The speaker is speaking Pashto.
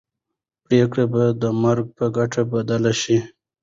پرېکړه به د مرګ په ګټه بدله شي.